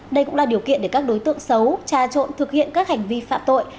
đây cũng là điều kiện để các đối tượng xấu trà trộn thực hiện các hành vi phạm tội